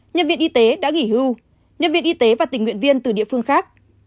nhân viên y tế đã nghỉ hưu nhân viên y tế và tình nguyện viên từ địa phương khác